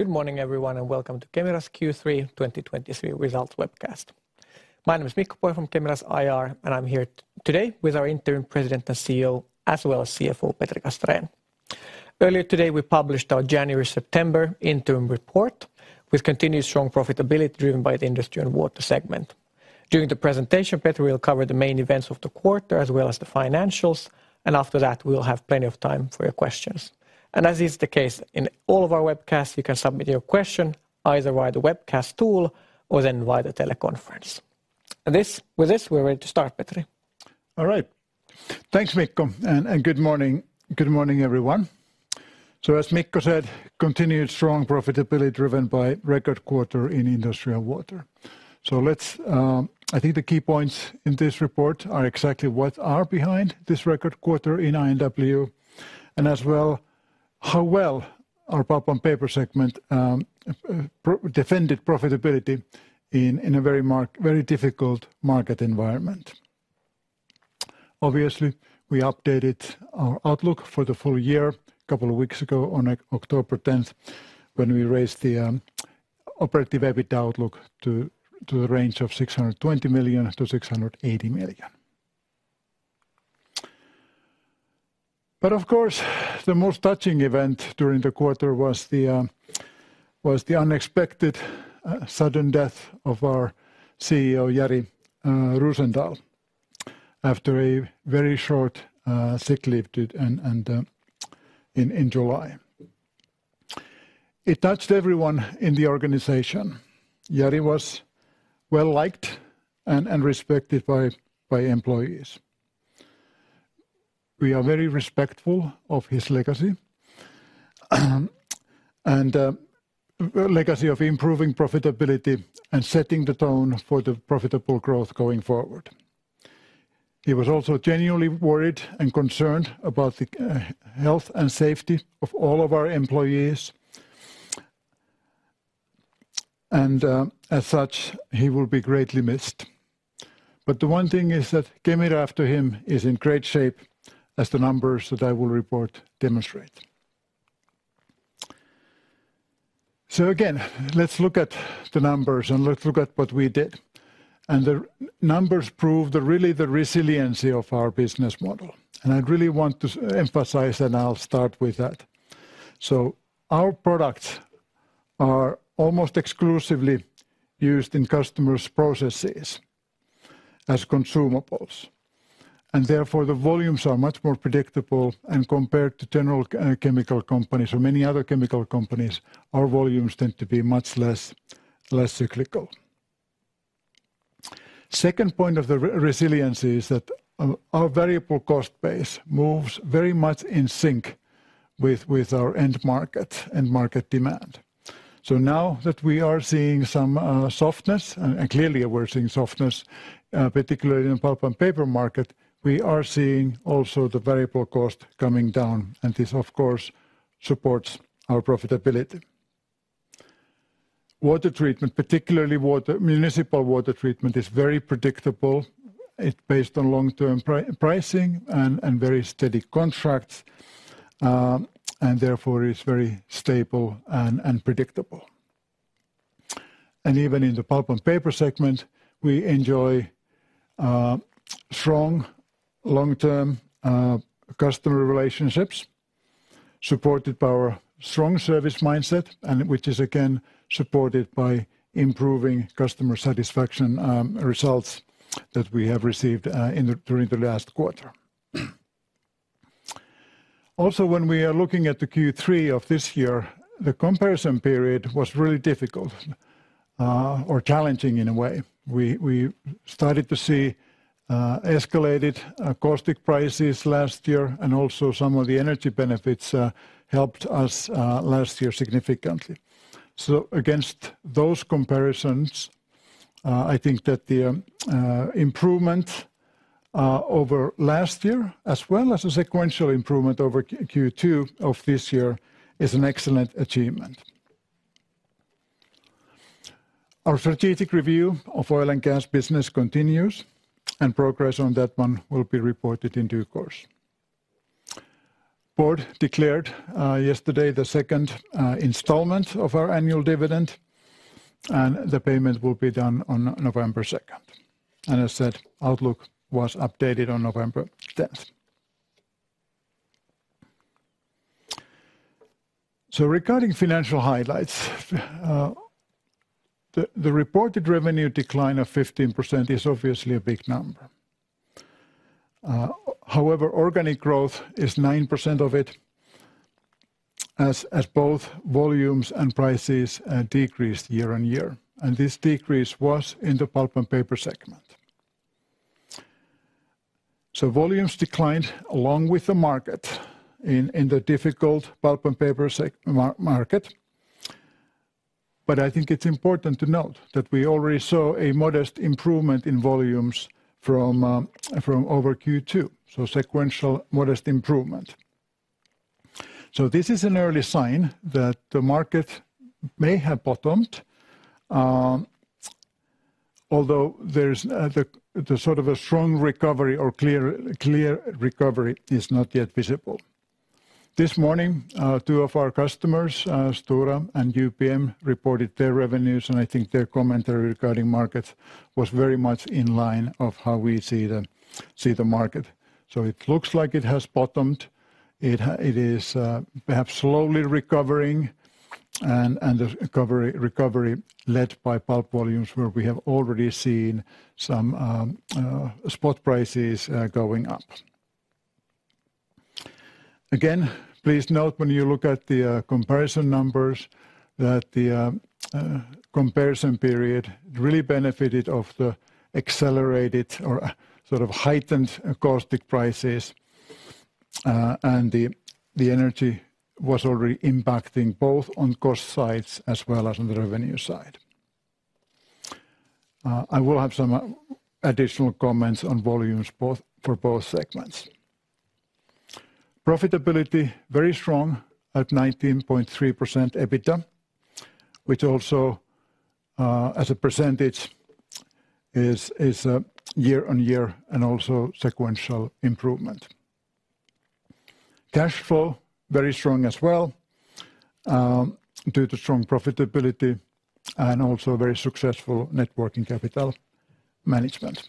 Good morning, everyone, and welcome to Kemira's Q3 2023 results webcast. My name is Mikko Pohjala from Kemira's IR, and I'm here today with our Interim President and CEO, as well as CFO, Petri Castrén. Earlier today, we published our January-September interim report, with continued strong profitability driven by the Industry & Water segment. During the presentation, Petri will cover the main events of the quarter as well as the financials, and after that, we'll have plenty of time for your questions. As is the case in all of our webcasts, you can submit your question either via the webcast tool or then via the teleconference. With this, we're ready to start, Petri. All right. Thanks, Mikko, and good morning. Good morning, everyone. So as Mikko said, continued strong profitability driven by record quarter in industrial water. So let's, I think the key points in this report are exactly what are behind this record quarter in I&W, and as well, how well our pulp and paper segment defended profitability in a very difficult market environment. Obviously, we updated our outlook for the full year a couple of weeks ago on October tenth, when we raised the operative EBITDA outlook to the range of 620 million-680 million. But of course, the most touching event during the quarter was the unexpected sudden death of our CEO, Jari Rosendal, after a very short sick leave and in July. It touched everyone in the organization. Jari was well-liked and respected by employees. We are very respectful of his legacy and legacy of improving profitability and setting the tone for the profitable growth going forward. He was also genuinely worried and concerned about the health and safety of all of our employees, and as such, he will be greatly missed. But the one thing is that Kemira, after him, is in great shape, as the numbers that I will report demonstrate. So again, let's look at the numbers, and let's look at what we did. And the numbers prove really the resiliency of our business model, and I'd really want to emphasize, and I'll start with that. So our products are almost exclusively used in customers' processes as consumables, and therefore, the volumes are much more predictable and compared to general chemical companies or many other chemical companies, our volumes tend to be much less cyclical. Second point of the resiliency is that our variable cost base moves very much in sync with our end market and market demand. So now that we are seeing some softness, and clearly we're seeing softness, particularly in the pulp and paper market, we are seeing also the variable cost coming down, and this, of course, supports our profitability. Water treatment, particularly municipal water treatment, is very predictable. It's based on long-term pricing and very steady contracts, and therefore, it's very stable and predictable. And even in the pulp and paper segment, we enjoy strong long-term customer relationships, supported by our strong service mindset and which is again supported by improving customer satisfaction results that we have received during the last quarter. Also, when we are looking at the Q3 of this year, the comparison period was really difficult or challenging in a way. We started to see escalated caustic prices last year, and also some of the energy benefits helped us last year significantly. So against those comparisons, I think that the improvement over last year, as well as a sequential improvement over Q2 of this year, is an excellent achievement. Our strategic review of oil and gas business continues, and progress on that one will be reported in due course. Board declared yesterday the second installment of our annual dividend, and the payment will be done on November second. I said, outlook was updated on November tenth. Regarding financial highlights, the reported revenue decline of 15% is obviously a big number. However, organic growth is 9% of it, as both volumes and prices decreased year-on-year, and this decrease was in the pulp and paper segment. Volumes declined along with the market in the difficult pulp and paper market. But I think it's important to note that we already saw a modest improvement in volumes from over Q2, so sequential modest improvement. This is an early sign that the market may have bottomed. Although there's the sort of a strong recovery or clear recovery is not yet visible. This morning, two of our customers, Stora and UPM, reported their revenues, and I think their commentary regarding markets was very much in line of how we see the market. So it looks like it has bottomed. It is perhaps slowly recovering and a recovery led by pulp volumes, where we have already seen some spot prices going up. Again, please note when you look at the comparison numbers that the comparison period really benefited of the accelerated or sort of heightened caustic prices, and the energy was already impacting both on cost sides as well as on the revenue side. I will have some additional comments on volumes both. For both segments. Profitability, very strong at 19.3% EBITDA, which also, as a percentage, is a year-on-year and also sequential improvement. Cash flow, very strong as well, due to strong profitability and also very successful working capital management.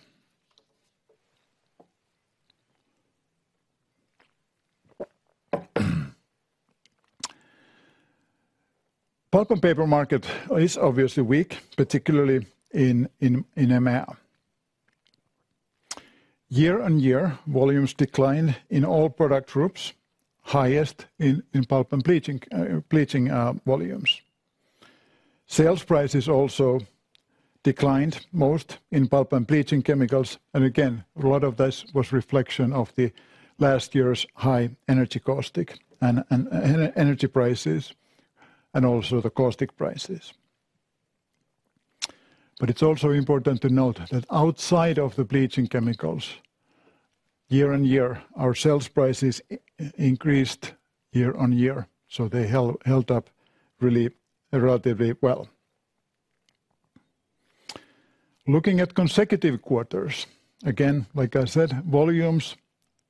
Pulp and paper market is obviously weak, particularly in EMEA. Year-on-year, volumes declined in all product groups, highest in pulp and bleaching volumes. Sales prices also declined, most in pulp and bleaching chemicals. And again, a lot of this was reflection of the last year's high energy caustic and energy prices and also the caustic prices. But it's also important to note that outside of the bleaching chemicals, year-on-year, our sales prices increased year-on-year, so they held up really relatively well. Looking at consecutive quarters, again, like I said, volumes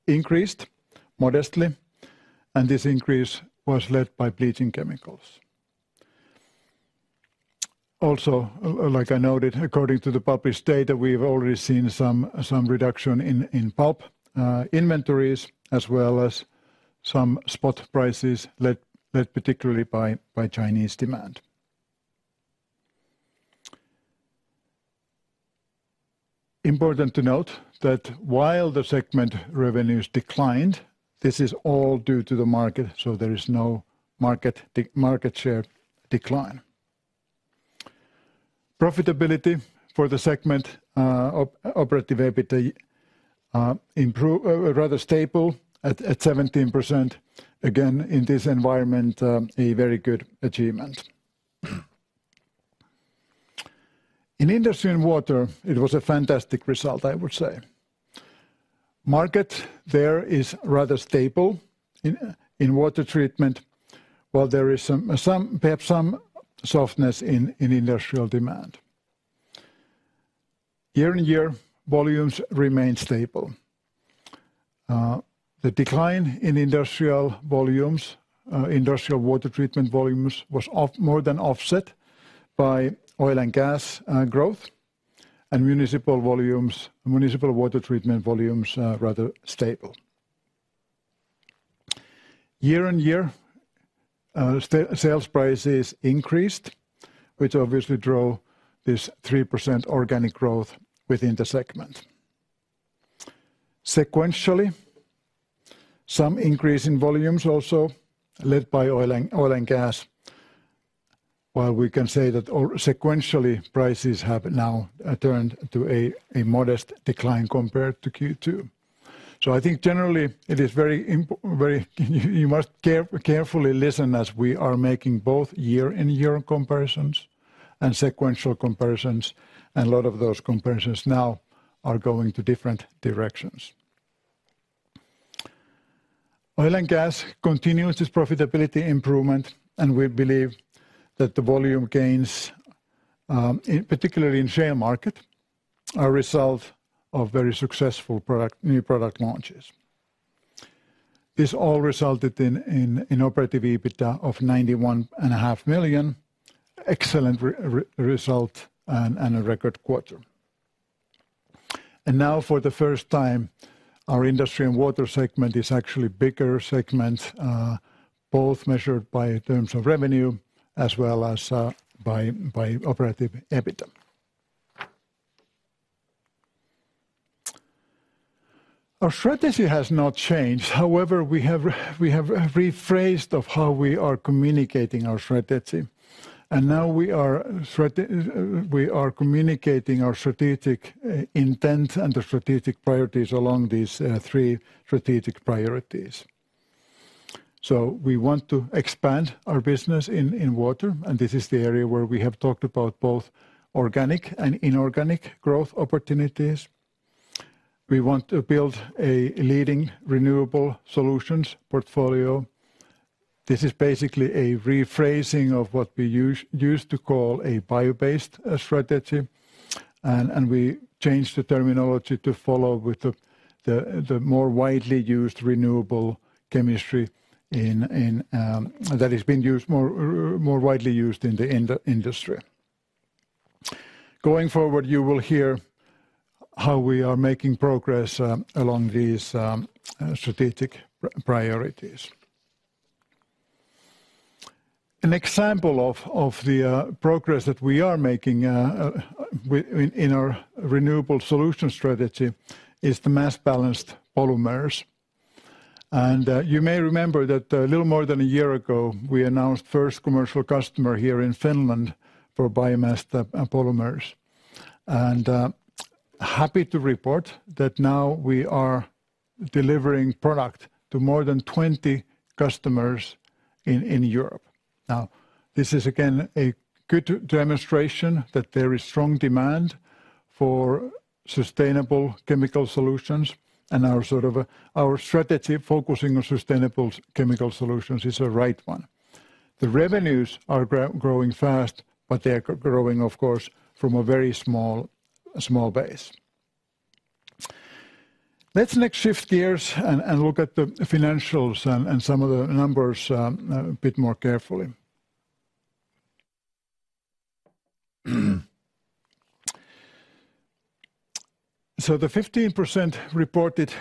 increased modestly, and this increase was led by bleaching chemicals. Also, like I noted, according to the published data, we've already seen some reduction in pulp inventories, as well as some spot prices, led particularly by Chinese demand. Important to note that while the segment revenues declined, this is all due to the market, so there is no market share decline. Profitability for the segment, operative EBITDA improved rather stable at 17%. Again, in this environment, a very good achievement. In industry and water, it was a fantastic result, I would say. Market there is rather stable in water treatment, while there is some, perhaps some softness in industrial demand. Year-on-year, volumes remain stable. The decline in industrial volumes, industrial water treatment volumes, was more than offset by oil and gas growth and municipal volumes, municipal water treatment volumes, rather stable. Year on year, sales prices increased, which obviously drove this 3% organic growth within the segment. Sequentially, some increase in volumes also led by oil and gas, while we can say that all sequentially, prices have now turned to a modest decline compared to Q2. I think generally, it is very important, you must carefully listen as we are making both year-on-year comparisons and sequential comparisons, and a lot of those comparisons now are going to different directions. Oil and gas continues this profitability improvement, and we believe that the volume gains, in particularly in shale market, are a result of very successful product, new product launches. This all resulted in Operative EBITDA of 91.5 million. Excellent result and a record quarter. And now, for the first time, our Industry & Water segment is actually bigger segment, both measured by terms of revenue, as well as by Operative EBITDA. Our strategy has not changed. However, we have rephrased how we are communicating our strategy, and now we are communicating our strategic intent and the strategic priorities along these three strategic priorities. So we want to expand our business in water, and this is the area where we have talked about both organic and inorganic growth opportunities. We want to build a leading renewable solutions portfolio. This is basically a rephrasing of what we used to call a bio-based strategy. And we changed the terminology to follow with the more widely used renewable chemistry in that is being used more widely in the industry. Going forward, you will hear how we are making progress along these strategic priorities. An example of the progress that we are making in our renewable solution strategy is the mass-balanced polymers. And you may remember that a little more than a year ago, we announced first commercial customer here in Finland for biomass polymers. And happy to report that now we are delivering product to more than 20 customers in Europe. Now, this is again a good demonstration that there is strong demand for sustainable chemical solutions and our strategy focusing on sustainable chemical solutions is a right one. The revenues are growing fast, but they are growing, of course, from a very small base. Let's next shift gears and look at the financials and some of the numbers a bit more carefully. So the 15% reported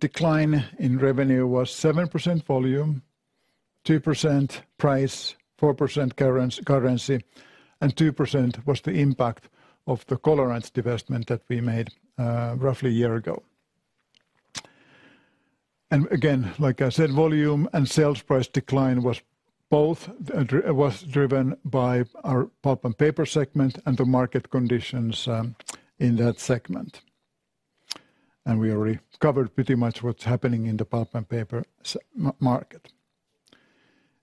decline in revenue was 7% volume, 2% price, 4% currency, and 2% was the impact of the Colorants divestment that we made roughly a year ago. And again, like I said, volume and sales price decline was both driven by our pulp and paper segment and the market conditions in that segment. And we already covered pretty much what's happening in the pulp and paper market.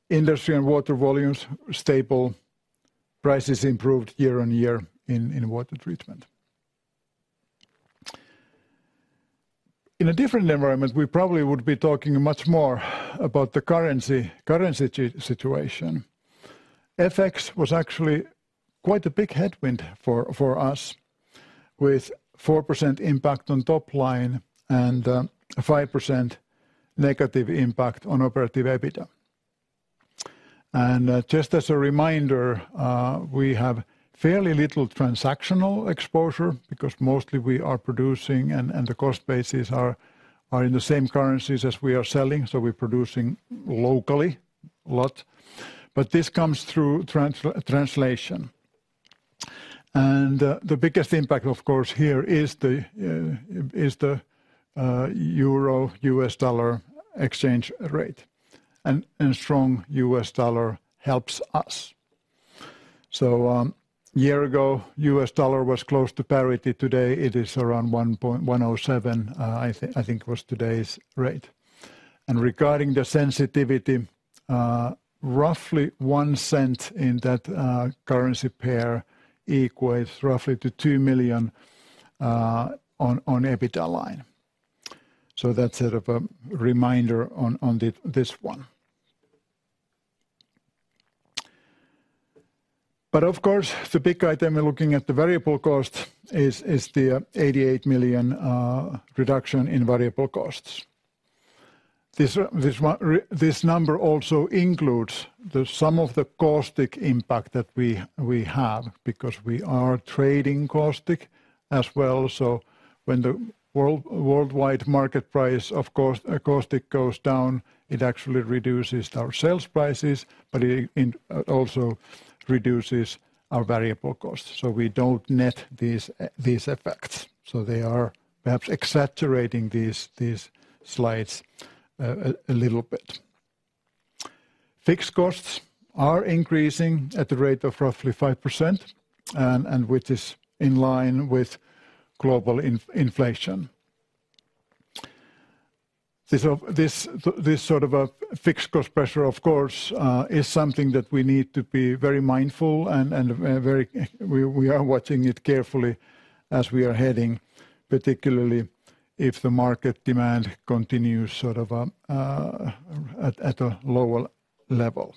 Industry and water volumes, stable. Prices improved year-on-year in water treatment. In a different environment, we probably would be talking much more about the currency, currency situation. FX was actually quite a big headwind for, for us, with 4% impact on top line and, a 5% negative impact on operative EBITDA. And, just as a reminder, we have fairly little transactional exposure because mostly we are producing and, and the cost bases are, are in the same currencies as we are selling, so we're producing locally a lot. But this comes through translation. And, the biggest impact, of course, here is the, is the, Euro-US dollar exchange rate, and, and strong US dollar helps us. So, a year ago, US dollar was close to parity. Today, it is around 1.07, I think was today's rate. Regarding the sensitivity, roughly 1 cent in that currency pair equates roughly to 2 million on the EBITDA line. That's sort of a reminder on this one. Of course, the big item we're looking at, the variable cost, is the 88 million reduction in variable costs. This number also includes the sum of the caustic impact that we have, because we are trading caustic as well. When the worldwide market price of caustic goes down, it actually reduces our sales prices, but it also reduces our variable costs. We don't net these effects, so they are perhaps exaggerating these slides a little bit. Fixed costs are increasing at the rate of roughly 5%, which is in line with global inflation. This sort of a fixed cost pressure, of course, is something that we need to be very mindful and we are watching it carefully as we are heading, particularly if the market demand continues sort of at a lower level.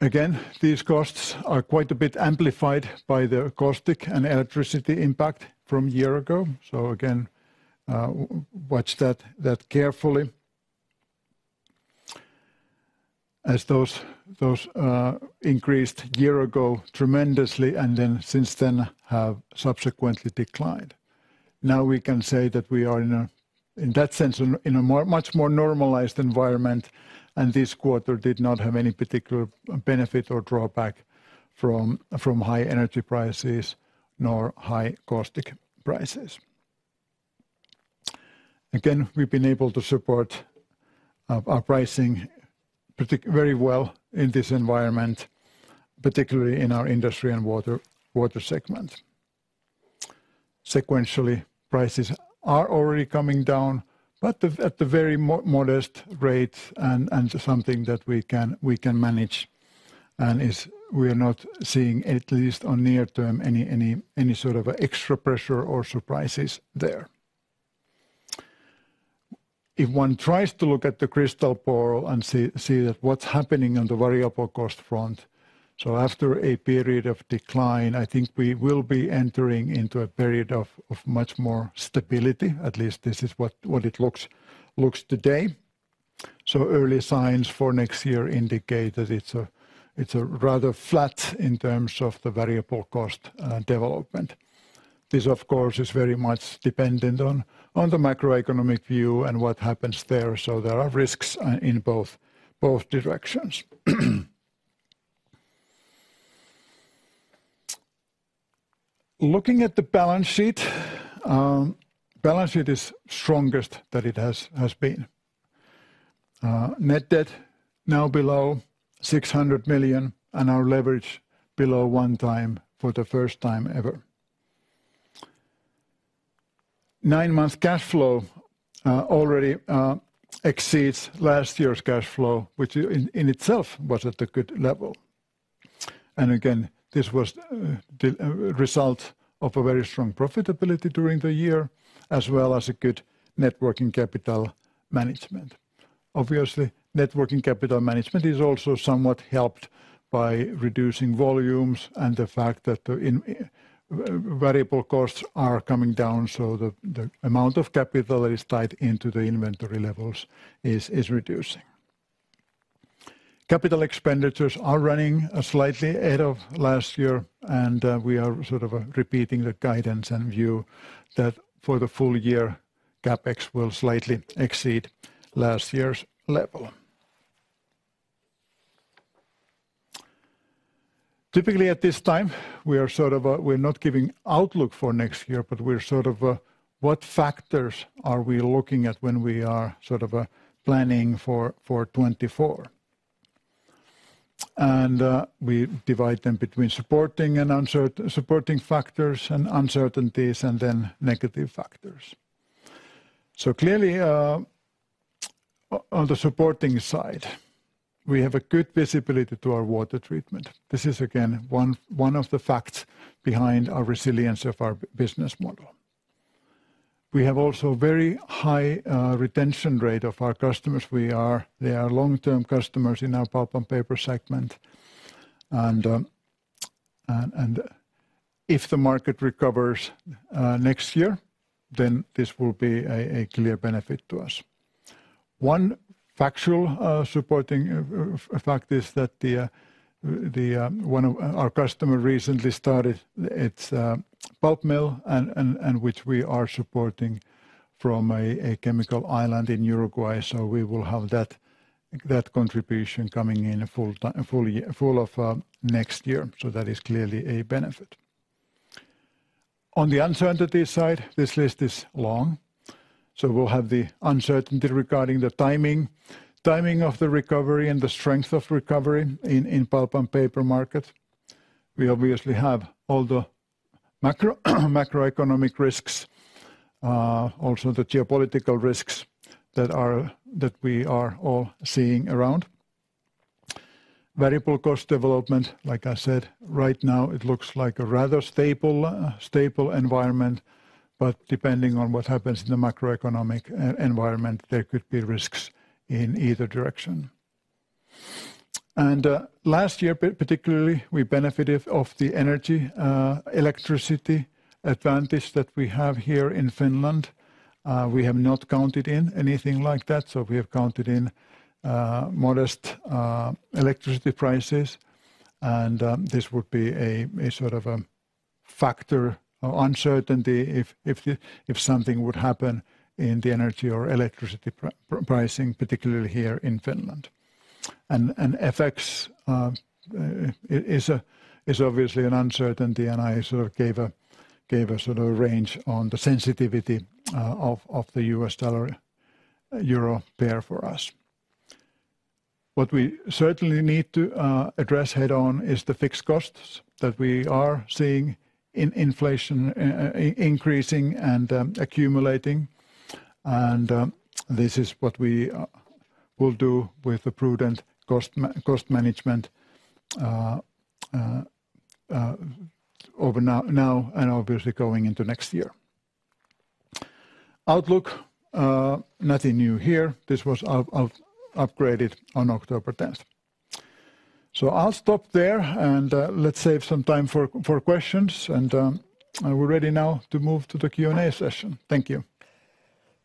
Again, these costs are quite a bit amplified by the caustic and electricity impact from a year ago. So again, watch that carefully. As those increased a year ago tremendously, and then since then, have subsequently declined. Now, we can say that we are in a, in that sense, in a more, much more normalized environment, and this quarter did not have any particular benefit or drawback from high energy prices, nor high caustic prices. Again, we've been able to support our pricing very well in this environment, particularly in our industry and water segment. Sequentially, prices are already coming down, but at the very modest rate and something that we can manage and is we are not seeing, at least on near term, any sort of extra pressure or surprises there. If one tries to look at the crystal ball and see that what's happening on the variable cost front, so after a period of decline, I think we will be entering into a period of much more stability. At least this is what it looks today. So early signs for next year indicate that it's a rather flat in terms of the variable cost development. This, of course, is very much dependent on the macroeconomic view and what happens there, so there are risks in both directions. Looking at the balance sheet, balance sheet is strongest that it has been. Net debt now below 600 million, and our leverage below 1x for the first time ever. Nine-month cash flow already exceeds last year's cash flow, which in itself was at a good level. And again, this was the result of a very strong profitability during the year, as well as a good working capital management. Obviously, net working capital management is also somewhat helped by reducing volumes and the fact that the variable costs are coming down, so the amount of capital that is tied into the inventory levels is reducing. Capital expenditures are running slightly ahead of last year, and we are sort of repeating the guidance and view that for the full year, CapEx will slightly exceed last year's level. Typically, at this time, we are sort of, we're not giving outlook for next year, but we're sort of what factors are we looking at when we are sort of planning for 2024? And we divide them between supporting and uncert... Supporting factors and uncertainties and then negative factors. So clearly, on the supporting side, we have a good visibility to our water treatment. This is again one of the facts behind our resilience of our business model. We have also very high retention rate of our customers. They are long-term customers in our pulp and paper segment. And if the market recovers next year, then this will be a clear benefit to us. One factual supporting fact is that the one of our customer recently started its pulp mill and which we are supporting from a chemical island in Uruguay. So we will have that contribution coming in full year, full of next year. So that is clearly a benefit. On the uncertainty side, this list is long. So we'll have the uncertainty regarding the timing of the recovery and the strength of recovery in the pulp and paper market. We obviously have all the macroeconomic risks, also the geopolitical risks that we are all seeing around. Variable cost development, like I said, right now, it looks like a rather stable environment, but depending on what happens in the macroeconomic environment, there could be risks in either direction. And last year, particularly, we benefited off the energy, electricity advantage that we have here in Finland. We have not counted in anything like that, so we have counted in modest electricity prices, and this would be a sort of a factor or uncertainty if something would happen in the energy or electricity pricing, particularly here in Finland. And FX is obviously an uncertainty, and I sort of gave a sort of range on the sensitivity of the US dollar/euro pair for us. What we certainly need to address head on is the fixed costs that we are seeing in inflation increasing and accumulating. And this is what we will do with the prudent cost management over now and obviously going into next year. Outlook, nothing new here. This was upgraded on October tenth. So I'll stop there, and let's save some time for questions. And we're ready now to move to the Q&A session. Thank you.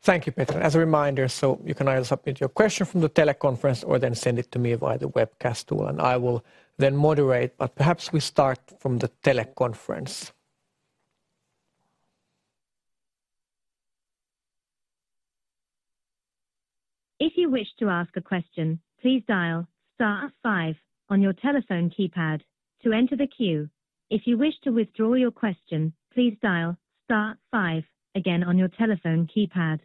Thank you, Petri. As a reminder, so you can either submit your question from the teleconference or then send it to me via the webcast tool, and I will then moderate. But perhaps we start from the teleconference. If you wish to ask a question, please dial star five on your telephone keypad to enter the queue. If you wish to withdraw your question, please dial star five again on your telephone keypad.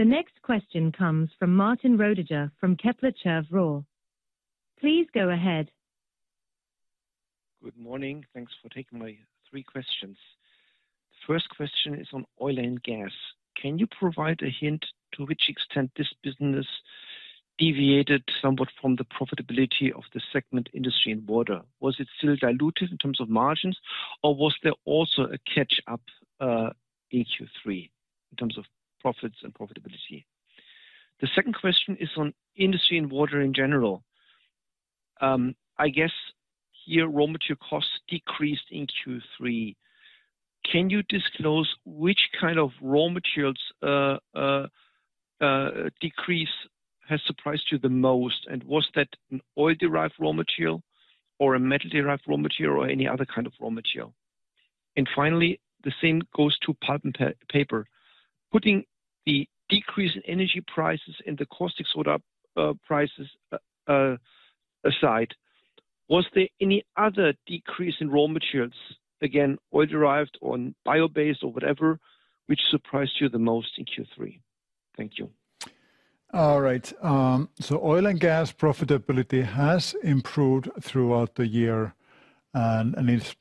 The next question comes from Martin Rödiger from Kepler Cheuvreux. Please go ahead. Good morning. Thanks for taking my three questions. First question is on oil and gas. Can you provide a hint to which extent this business deviated somewhat from the profitability of the segment industry and water? Was it still diluted in terms of margins, or was there also a catch up in Q3 in terms of profits and profitability? The second question is on industry and water in general. I guess here raw material costs decreased in Q3. Can you disclose which kind of raw materials decrease has surprised you the most, and was that an oil-derived raw material or a metal-derived raw material, or any other kind of raw material? And finally, the same goes to pulp and paper. Putting the decrease in energy prices and the caustic soda prices aside, was there any other decrease in raw materials, again, oil-derived or bio-based or whatever, which surprised you the most in Q3? Thank you. All right. So oil and gas profitability has improved throughout the year, and it's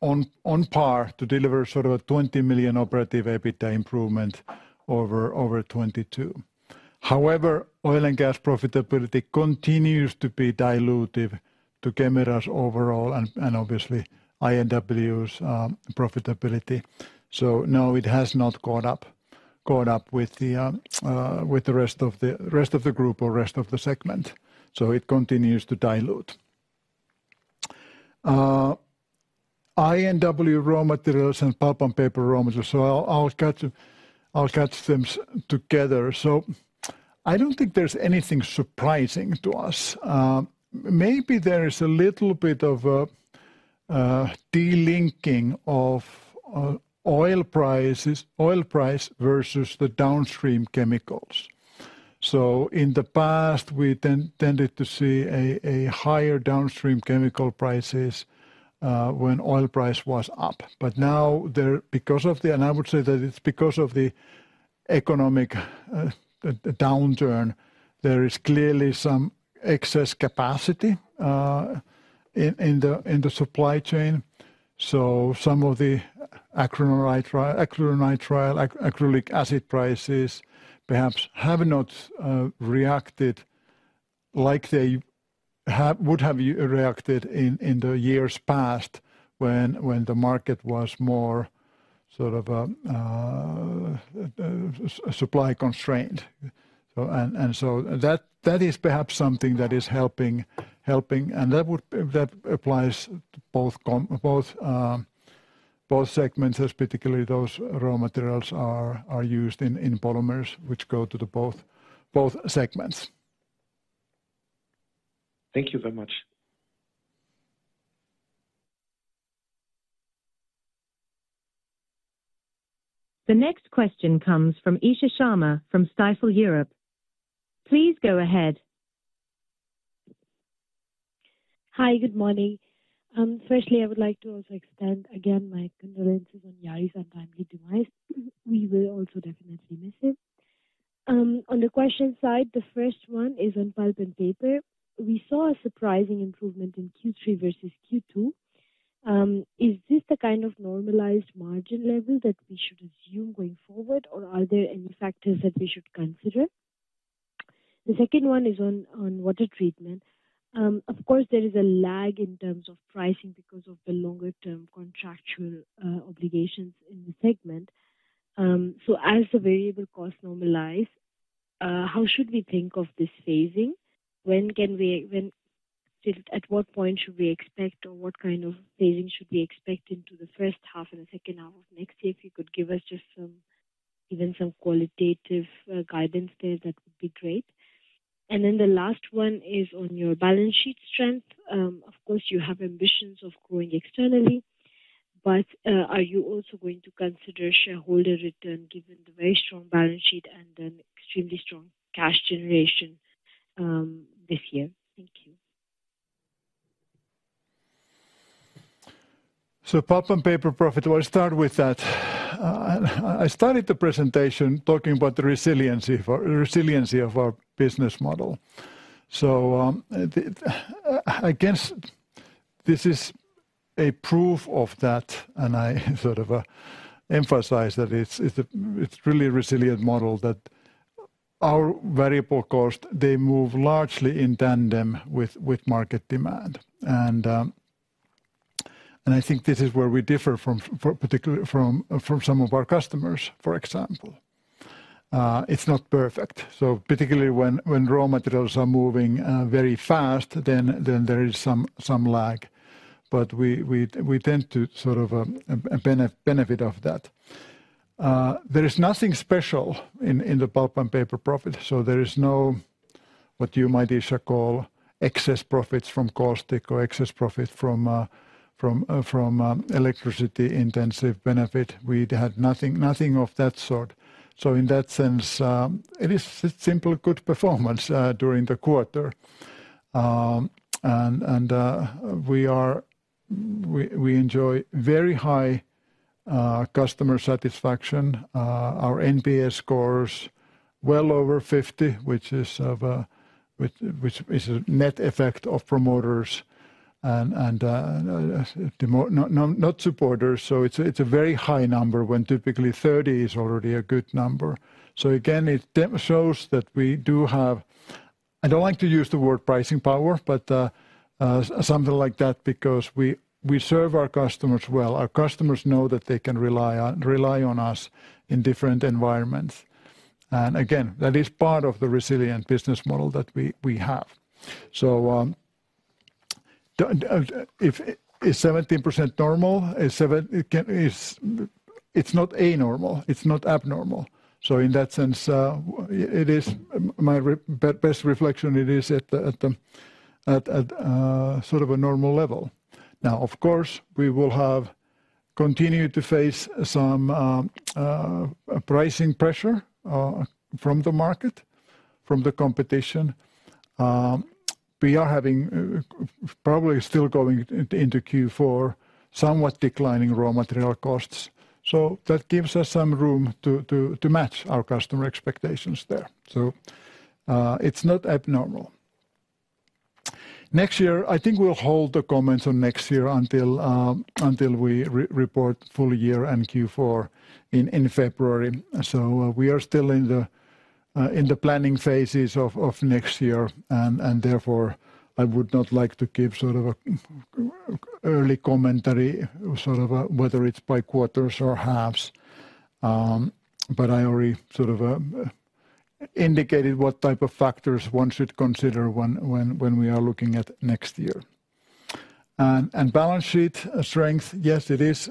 on par to deliver sort of a 20 million operative EBITDA improvement over 2022. However, oil and gas profitability continues to be dilutive to Kemira's overall and obviously I&W's profitability. So no, it has not caught up with the rest of the group or rest of the segment. So it continues to dilute. I&W raw materials and pulp and paper raw materials. So I'll catch them together. So I don't think there's anything surprising to us. Maybe there is a little bit of a delinking of oil prices... oil price versus the downstream chemicals. So in the past, we tended to see a higher downstream chemical prices when oil price was up. But now, because of the economic downturn, there is clearly some excess capacity in the supply chain. So some of the acrylonitrile, acrylic acid prices perhaps have not reacted like they have, would have reacted in the years past when the market was more sort of supply constrained. So that is perhaps something that is helping, and that would—that applies to both, both segments, as particularly those raw materials are used in polymers, which go to both segments. Thank you very much. The next question comes from Isha Sharma from Stifel Europe. Please go ahead. Hi, good morning. Firstly, I would like to also extend again my condolences on Jari's untimely demise. We will also definitely miss him. On the question side, the first one is on pulp and paper. We saw a surprising improvement in Q3 versus Q2. Is this the kind of normalized margin level that we should assume going forward, or are there any factors that we should consider? The second one is on water treatment. Of course, there is a lag in terms of pricing because of the longer-term contractual obligations in the segment. So as the variable costs normalize, how should we think of this phasing? At what point should we expect, or what kind of phasing should we expect into the first half and the second half of next year? If you could give us just some, even some qualitative, guidance there, that would be great. And then the last one is on your balance sheet strength. Of course, you have ambitions of growing externally, but, are you also going to consider shareholder return, given the very strong balance sheet and an extremely strong cash generation, this year? Thank you. So pulp and paper profit, I'll start with that. I started the presentation talking about the resiliency of our business model. So, I guess this is a proof of that, and I sort of emphasize that it's really a resilient model, that our variable costs they move largely in tandem with market demand. And I think this is where we differ from particularly from some of our customers, for example. It's not perfect. So particularly when raw materials are moving very fast, then there is some lag. But we tend to sort of benefit of that. There is nothing special in the pulp and paper profit, so there is no what you might wish to call excess profits from caustic or excess profit from electricity intensive benefit. We had nothing, nothing of that sort. So in that sense, it is a simple good performance during the quarter. We enjoy very high customer satisfaction. Our NPS score is well over 50, which is a net effect of promoters and not supporters. So it's a very high number, when typically 30 is already a good number. So again, it shows that we do have... I don't like to use the word pricing power, but something like that, because we serve our customers well. Our customers know that they can rely on us in different environments. And again, that is part of the resilient business model that we have. So, is 17% normal? It's not abnormal. So in that sense, it is my best reflection, it is at the sort of a normal level. Now, of course, we will have continued to face some pricing pressure from the market, from the competition. We are having probably still going into Q4, somewhat declining raw material costs, so that gives us some room to match our customer expectations there. So, it's not abnormal. Next year, I think we'll hold the comments on next year until we report full year and Q4 in February. We are still in the planning phases of next year, and therefore, I would not like to give sort of an early commentary, whether it's by quarters or halves. I already indicated what type of factors one should consider when we are looking at next year. Balance sheet strength, yes, it is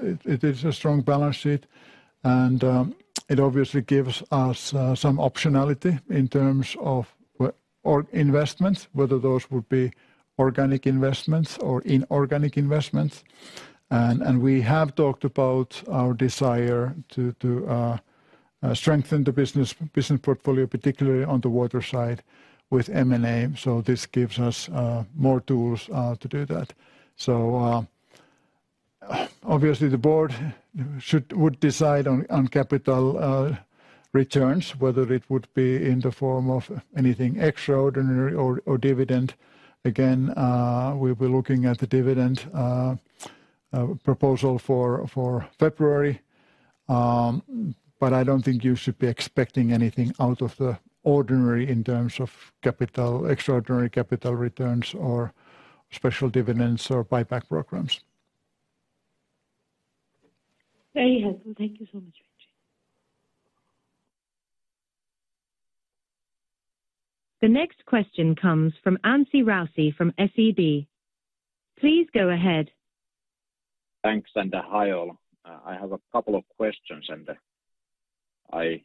a strong balance sheet, and it obviously gives us some optionality in terms of organic investments, whether those would be organic investments or inorganic investments. We have talked about our desire to strengthen the business portfolio, particularly on the water side with M&A. So this gives us more tools to do that. Obviously, the board would decide on capital returns, whether it would be in the form of anything extraordinary or dividend. Again, we'll be looking at the dividend proposal for February. But I don't think you should be expecting anything out of the ordinary in terms of capital, extraordinary capital returns, or special dividends, or buyback programs. Very helpful. Thank you so much, Petri. The next question comes from Anssi Raussi from SEB. Please go ahead. Thanks, and hi, all. I have a couple of questions, and I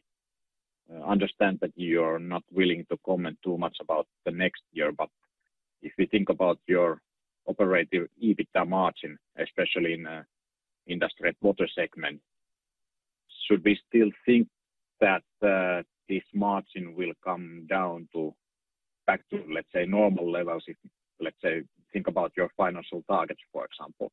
understand that you are not willing to comment too much about the next year. But if you think about your operating EBITDA margin, especially in industry and water segment, should we still think that this margin will come down back to, let's say, normal levels, if let's say think about your financial targets, for example?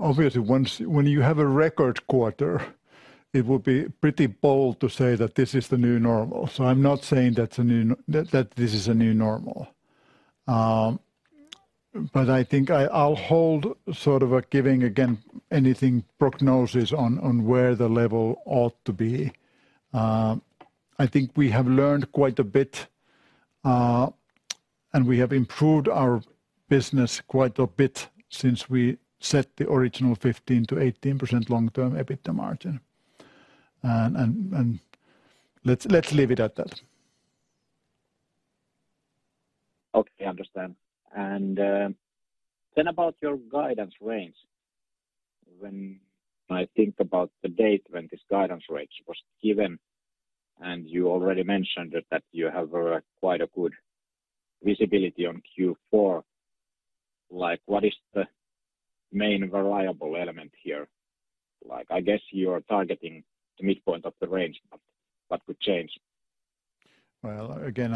Obviously, when you have a record quarter, it would be pretty bold to say that this is the new normal. So I'm not saying that's a new normal, that this is a new normal. But I think I'll hold off on giving any prognosis on where the level ought to be. I think we have learned quite a bit, and we have improved our business quite a bit since we set the original 15%-18% long-term EBITDA margin. Let's leave it at that. Okay, I understand. And, then about your guidance range, when I think about the date when this guidance range was given, and you already mentioned that you have quite a good visibility on Q4, like, what is the main variable element here? Like, I guess you are targeting the midpoint of the range, but what would change? Well, again,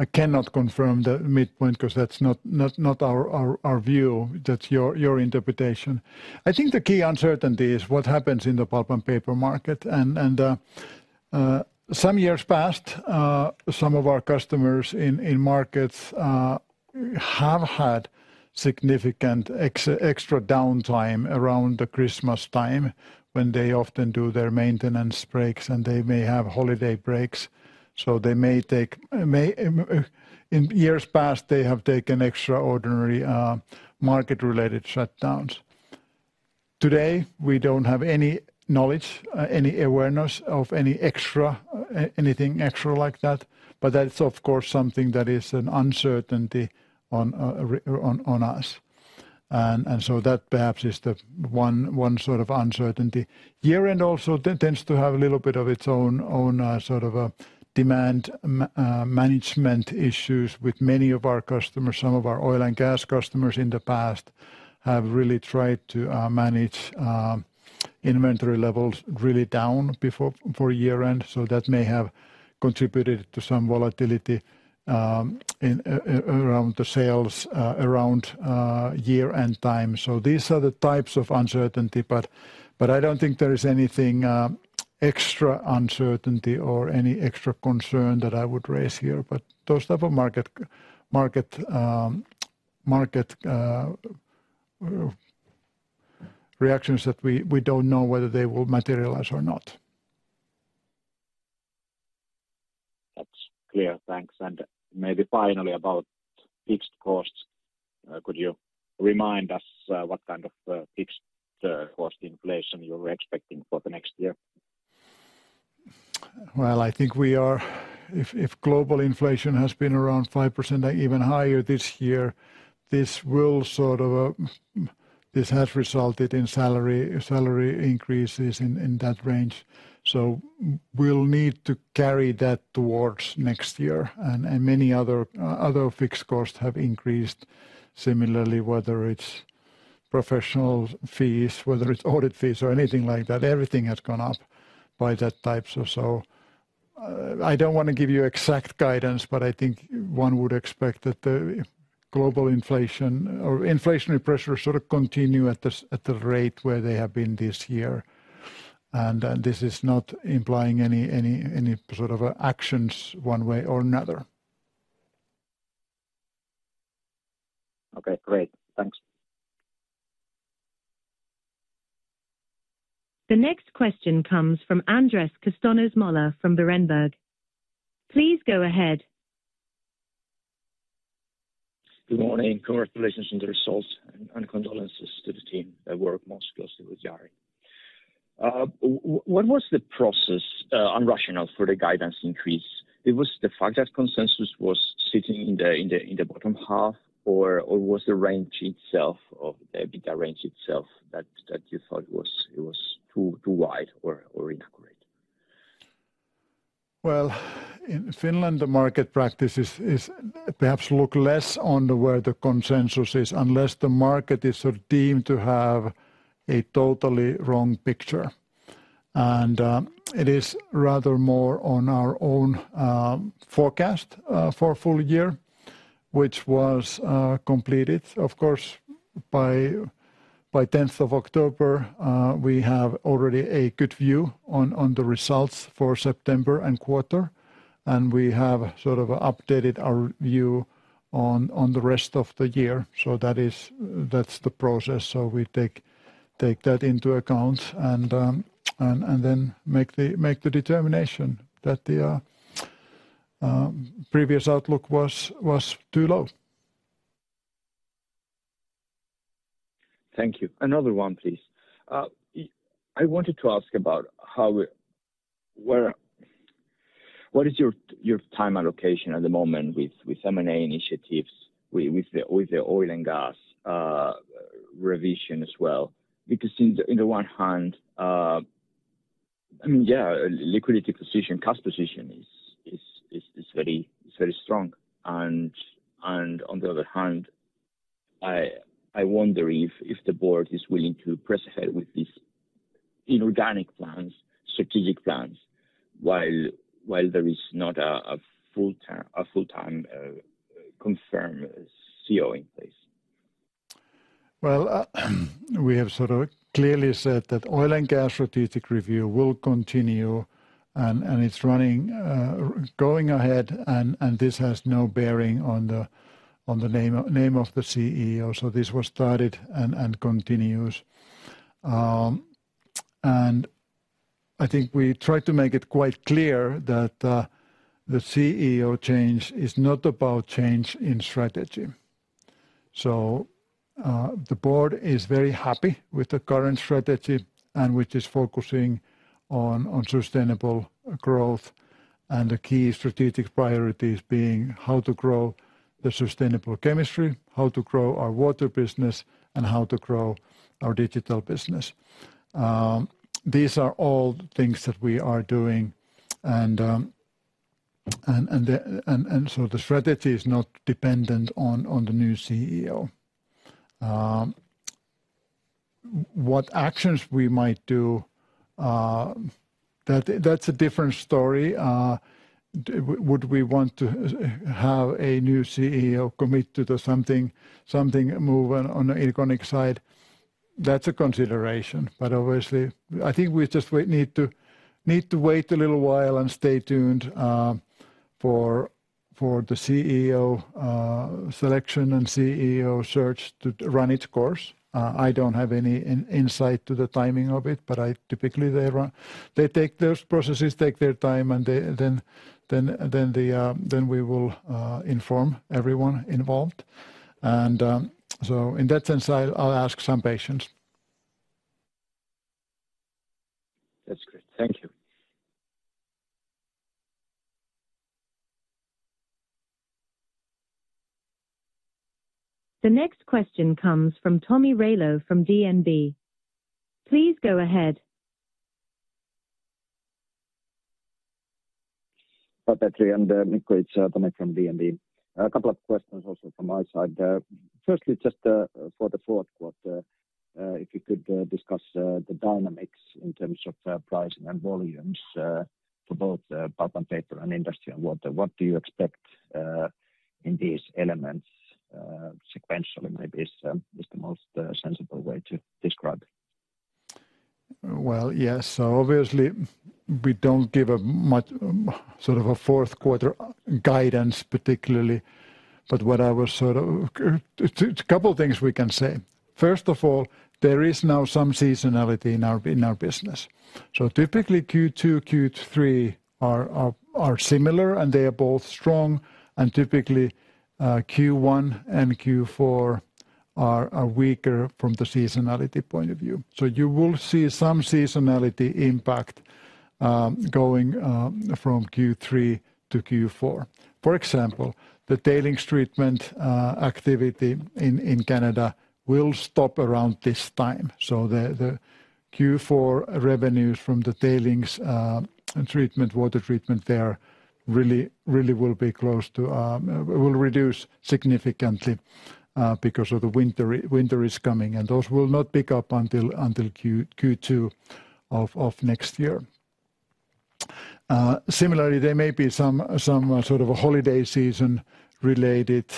I cannot confirm the midpoint 'cause that's not our view. That's your interpretation. I think the key uncertainty is what happens in the pulp and paper market, and some years past, some of our customers in markets have had significant extra downtime around the Christmas time, when they often do their maintenance breaks, and they may have holiday breaks, so they may take. In years past, they have taken extraordinary market-related shutdowns. Today, we don't have any knowledge, any awareness of any extra, anything extra like that, but that is, of course, something that is an uncertainty on us. And so that perhaps is the one sort of uncertainty. Year-end also tends to have a little bit of its own sort of a demand management issues with many of our customers. Some of our oil and gas customers in the past have really tried to manage inventory levels really down before, for year-end, so that may have contributed to some volatility in around the sales around year-end time. So these are the types of uncertainty, but I don't think there is anything extra uncertainty or any extra concern that I would raise here. But those type of market reactions that we don't know whether they will materialize or not. That's clear. Thanks. And maybe finally, about fixed costs, could you remind us what kind of fixed cost inflation you're expecting for the next year? Well, I think we are. If global inflation has been around 5% or even higher this year, this has resulted in salary increases in that range. So we'll need to carry that towards next year. And many other fixed costs have increased similarly, whether it's professional fees, whether it's audit fees or anything like that, everything has gone up by that type. So I don't want to give you exact guidance, but I think one would expect that the global inflation or inflationary pressures sort of continue at this rate where they have been this year. And this is not implying any sort of actions one way or another. Okay, great. Thanks. The next question comes from Andrés Castanos-Mollor from Berenberg. Please go ahead. Good morning, congratulations on the results, and condolences to the team that worked most closely with Jari. What was the process on rationale for the guidance increase? It was the fact that consensus was sitting in the bottom half, or was the range itself, or the bigger range itself that you thought was, it was too wide or inaccurate? Well, in Finland, the market practice is perhaps look less on where the consensus is, unless the market is sort of deemed to have a totally wrong picture. And it is rather more on our own forecast for full year, which was completed. Of course, by tenth of October, we have already a good view on the results for September and quarter, and we have sort of updated our view on the rest of the year. So that is, that's the process. So we take that into account and then make the determination that the previous outlook was too low. Thank you. Another one, please. I wanted to ask about how, where—what is your, your time allocation at the moment with, with M&A initiatives, with, with the, with the oil and gas revision as well? Because in the, in the one hand, I mean, yeah, liquidity position, cost position is very strong. And on the other hand, I wonder if the board is willing to press ahead with these inorganic plans, strategic plans, while there is not a full-time confirmed CEO in place. Well, we have sort of clearly said that oil and gas strategic review will continue, and it's running, going ahead, and this has no bearing on the name of the CEO. So this was started and continues. And I think we tried to make it quite clear that the CEO change is not about change in strategy. So the board is very happy with the current strategy which is focusing on sustainable growth and the key strategic priorities being how to grow the sustainable chemistry, how to grow our water business, and how to grow our digital business. These are all things that we are doing. And so the strategy is not dependent on the new CEO. What actions we might do, that's a different story. Would we want to have a new CEO committed to something, something move on the inorganic side? That's a consideration. But obviously, I think we just wait, need to wait a little while and stay tuned for the CEO selection and CEO search to run its course. I don't have any insight to the timing of it, but I typically, they run, they take... Those processes take their time, and they then we will inform everyone involved. And so in that sense, I'll ask some patience. That's great. Thank you. The next question comes from Tomi Railo from DNB. Please go ahead. Hi, Petri and, Mikko, it's, Tommy from DNB. A couple of questions also from my side. Firstly, just, for the fourth quarter, if you could, discuss, the dynamics in terms of, pricing and volumes, for both, pulp and paper and industrial water. What do you expect, in these elements, sequentially, maybe is, is the most, sensible way to describe? Well, yes. So obviously, we don't give much of a fourth quarter guidance, particularly. But what I was sort of... too, it's a couple of things we can say. First of all, there is now some seasonality in our business. So typically, Q2, Q3 are similar, and they are both strong. And typically, Q1 and Q4 are weaker from the seasonality point of view. So you will see some seasonality impact going from Q3 to Q4. For example, the tailings treatment activity in Canada will stop around this time. So the Q4 revenues from the tailings treatment, water treatment there really will be close to... will reduce significantly because of the winter, winter is coming, and those will not pick up until Q2 of next year. Similarly, there may be some sort of a holiday season-related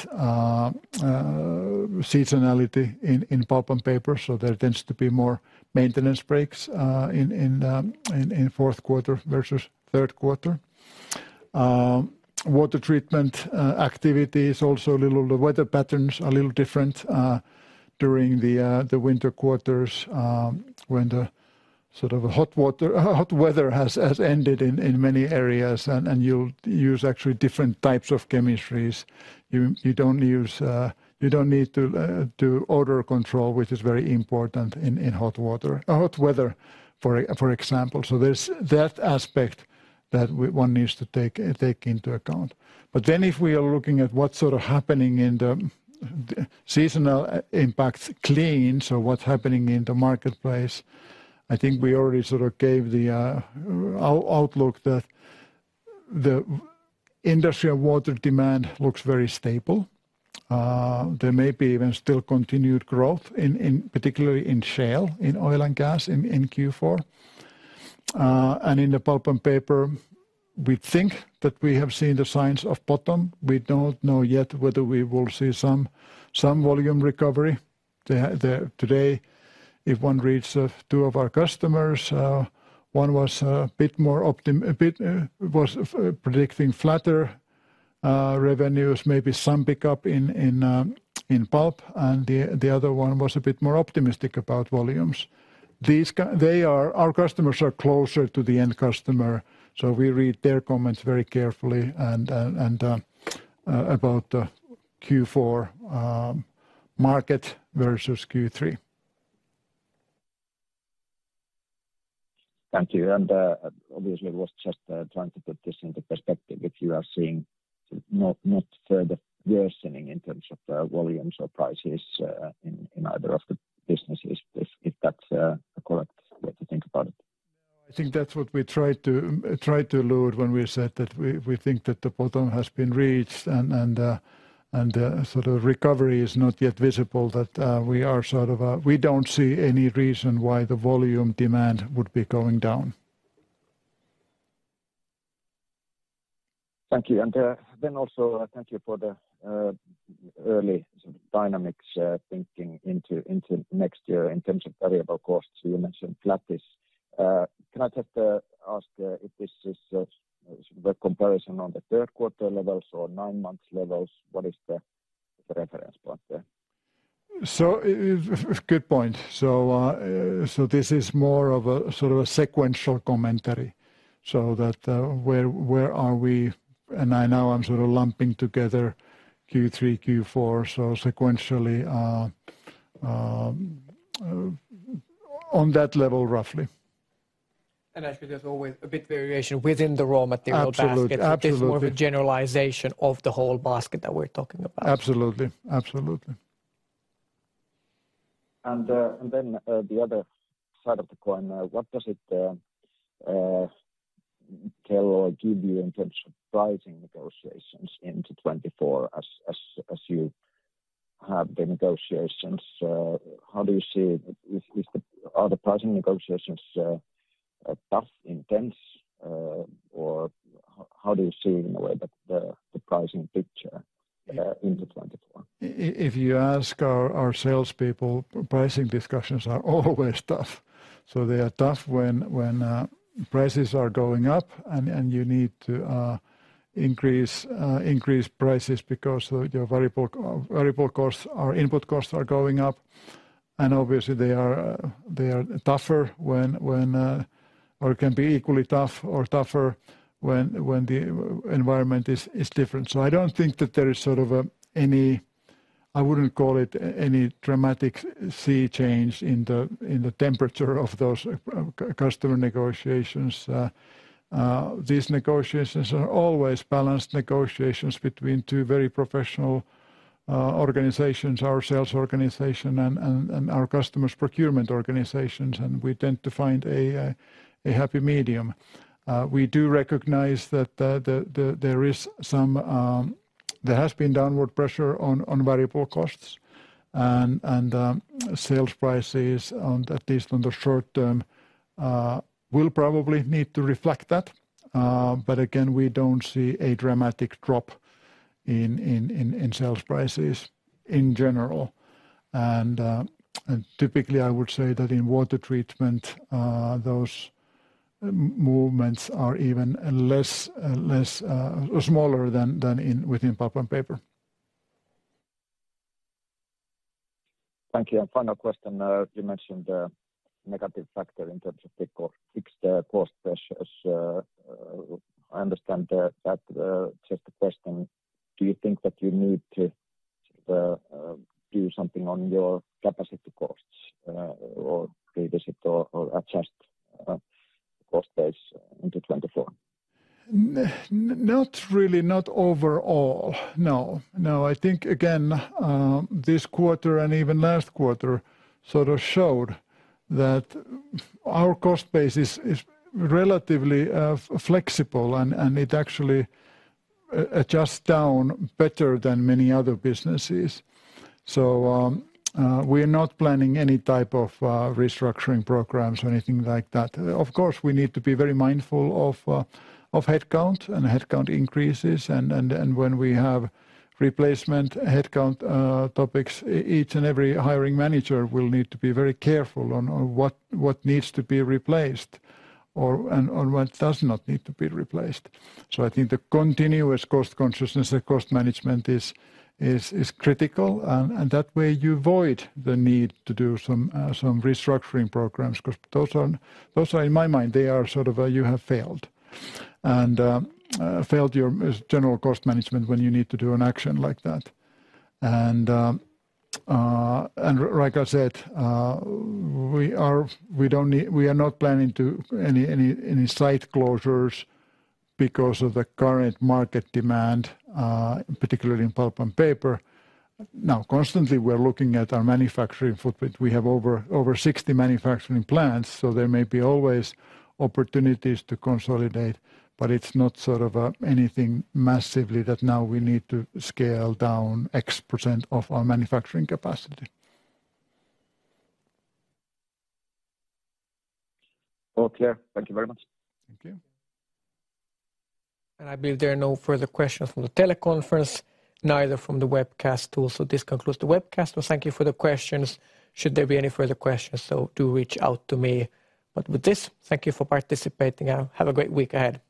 seasonality in pulp and paper, so there tends to be more maintenance breaks in fourth quarter versus third quarter. Water treatment activity is also a little. The weather patterns are a little different during the winter quarters, when the sort of a hot water- hot weather has ended in many areas, and you'll use actually different types of chemistries. You don't use, you don't need to do odor control, which is very important in hot water, hot weather, for example. So there's that aspect that one needs to take into account. If we are looking at what's sort of happening in the seasonal impact clean, so what's happening in the marketplace, I think we already sort of gave the outlook that the industrial water demand looks very stable. There may be even still continued growth particularly in shale, in oil and gas, in Q4. And in the pulp and paper, we think that we have seen the signs of bottom. We don't know yet whether we will see some volume recovery. Today, if one reads two of our customers, one was predicting flatter revenues, maybe some pick up in pulp, and the other one was a bit more optimistic about volumes. Our customers are closer to the end customer, so we read their comments very carefully and about the Q4 market versus Q3. Thank you, and obviously, it was just trying to put this into perspective. If you are seeing not further worsening in terms of volumes or prices in either of the businesses, if that's a correct way to think about it? I think that's what we tried to allude when we said that we think that the bottom has been reached and sort of recovery is not yet visible, that we are sort of. We don't see any reason why the volume demand would be going down. Thank you. And then also, thank you for the early sort of dynamics thinking into next year in terms of variable costs. You mentioned flattish. Can I just ask if this is the comparison on the third quarter levels or nine months levels? What is the reference point there? Good point. So, this is more of a sort of a sequential commentary, so that, where are we? And now I'm sort of lumping together Q3, Q4, so sequentially, on that level, roughly. And actually, there's always a bit variation within the raw material basket- Absolutely, absolutely. But this is more of a generalization of the whole basket that we're talking about. Absolutely. Absolutely. And then, the other side of the coin, what does it tell or give you in terms of pricing negotiations into 2024, as you have the negotiations, how do you see... Are the pricing negotiations tough, intense, or how do you see, in a way, the pricing picture into 2024? If you ask our salespeople, pricing discussions are always tough. So they are tough when prices are going up, and you need to increase prices because your variable costs or input costs are going up. And obviously, they are tougher when or can be equally tough or tougher when the environment is different. So I don't think that there is sort of any. I wouldn't call it any dramatic sea change in the temperature of those customer negotiations. These negotiations are always balanced negotiations between two very professional organizations, our sales organization and our customers' procurement organizations, and we tend to find a happy medium. We do recognize that there has been downward pressure on variable costs and sales prices, at least on the short term, will probably need to reflect that. But again, we don't see a dramatic drop in sales prices in general. And typically, I would say that in water treatment, those movements are even smaller than within pulp and paper. Thank you. Final question, you mentioned the negative factor in terms of the co-fixed cost pressures. I understand that, just a question: do you think that you need to do something on your capacity costs, or revisit or adjust cost base into 2024? Not really, not overall, no. No, I think again, this quarter and even last quarter sort of showed that our cost base is, is relatively, flexible, and, and it actually adjusts down better than many other businesses. So, we are not planning any type of, restructuring programs or anything like that. Of course, we need to be very mindful of, of headcount and headcount increases, and, and, and when we have replacement headcount, topics, each and every hiring manager will need to be very careful on, on what, what needs to be replaced or... and, on what does not need to be replaced. So I think the continuous cost consciousness and cost management is, is, is critical. That way you avoid the need to do some restructuring programs, 'cause those are, those are in my mind, they are sort of you have failed. Failed your general cost management when you need to do an action like that. Like I said, we don't need. We are not planning any site closures because of the current market demand, particularly in pulp and paper. Now, constantly, we're looking at our manufacturing footprint. We have over 60 manufacturing plants, so there may always be opportunities to consolidate, but it's not sort of anything massively that now we need to scale down X% of our manufacturing capacity. All clear. Thank you very much. Thank you. I believe there are no further questions from the teleconference, neither from the webcast tool. This concludes the webcast. Well, thank you for the questions. Should there be any further questions, so do reach out to me. With this, thank you for participating, and have a great week ahead.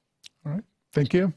All right. Thank you.